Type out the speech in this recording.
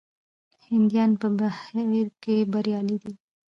هندیان په بهر کې بریالي دي.